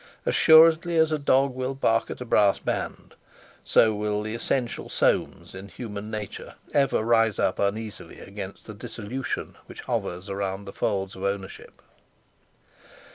As surely as a dog will bark at a brass band, so will the essential Soames in human nature ever rise up uneasily against the dissolution which hovers round the folds of ownership.